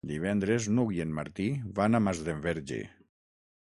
Divendres n'Hug i en Martí van a Masdenverge.